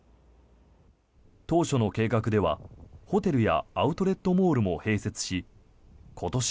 当初の計画ではホテルやアウトレットモールも併設し今年